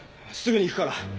すぐに行くから。